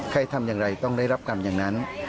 ใครทำอย่างไรต้องได้รับกรรมอย่างนั้น